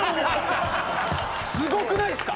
すごくないですか？